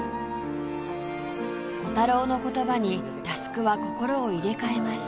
コタローの言葉に佑は心を入れ替えます